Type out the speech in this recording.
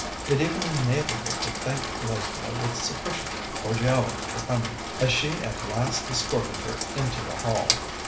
It even enabled her to thank Lesbia with sufficient cordiality for coming, as she at last escorted her into the hall.